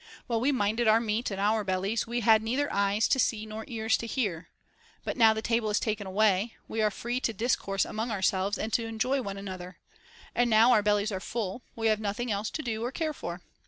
While we minded our meat and our bellies, we had neither eyes to see nor ears to hear ; but now the table is taken away, we THE BANQUET OF THE SEVEN WISE MEN. 31 are free to discourse among ourselves and to enjoy one another ; and now our bellies are full, we have nothing else to do or care for.